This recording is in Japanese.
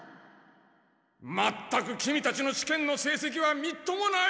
まったくキミたちの試験の成績はみっともない！